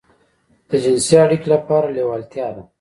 د جنسي اړيکې لپاره لېوالتيا ده.